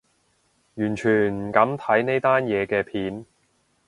完全唔敢睇呢單嘢嘅片